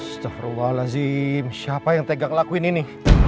suster allah alazim siapa yang tegak ngelakuin ini